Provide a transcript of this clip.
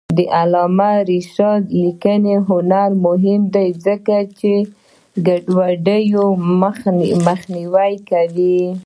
د علامه رشاد لیکنی هنر مهم دی ځکه چې ګډوډي مخنیوی کوي.